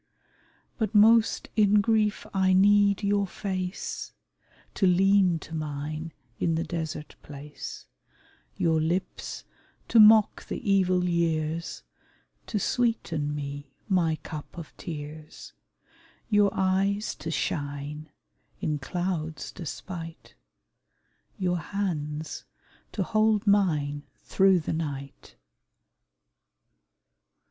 But most in grief I need your face To lean to mine in the desert place; Your lips to mock the evil years, To sweeten me my cup of tears, Your eyes to shine, in cloud's despite, Your hands to hold mine through the night.